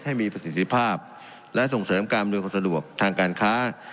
ให้มีประสิทธิภาพและส่งเสริมการอำนวยความสะดวกทางการค้า